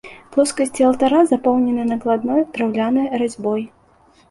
Плоскасці алтара запоўнены накладной драўлянай разьбой.